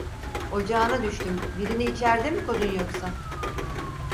Ocağına düştüm, birini içerde mi kodun yoksa?